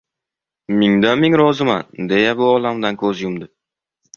Mingdan-ming roziman, deya bu olamdan ko`z yumdi